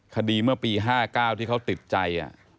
คดีเมื่อปี๕๙ที่เขาติดใจ